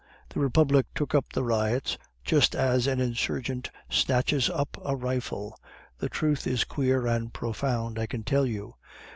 The Republic took up the riots, just as an insurgent snatches up a rifle. The truth is queer and profound, I can tell you.